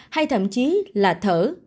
hay thậm chí là thở